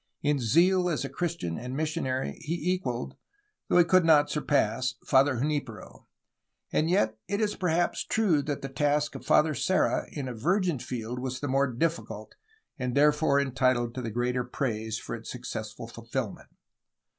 In zeal as a Christian and missionary he equaled, though he could not surpass, Father Junfpero. And yet it is perhaps true that the task of Father Serra in a virgin field was the more difficult and therefore entitled to the greater praise for its successful fulfilment.